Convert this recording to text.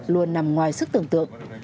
luôn nằm ngoài sức tưởng tượng